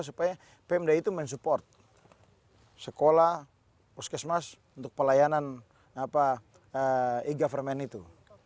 supaya pemda itu mensupport sekolah puskesmas untuk pelayanan e government itu